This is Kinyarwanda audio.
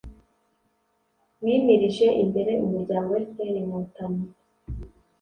wimirije imbere umuryango fpr-inkotanyi